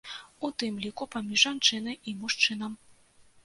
У тым ліку паміж жанчынай і мужчынам.